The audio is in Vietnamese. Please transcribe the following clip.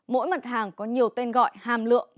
mỗi mặt hàng có nhiều tên gọi hàm lượng